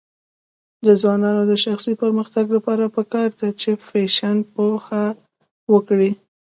د ځوانانو د شخصي پرمختګ لپاره پکار ده چې فیشن پوهه ورکړي.